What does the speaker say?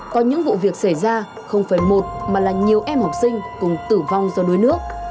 có những vụ việc xảy ra không phải một mà là nhiều em học sinh cùng tử vong do đuối nước